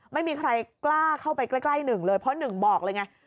ไม่มีใครกล้าเข้าไปใกล้หนึ่งเลยเพราะหนึ่งบอกเลยไง